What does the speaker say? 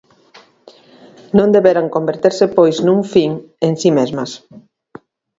Non deberan converterse pois nun fin en si mesmas.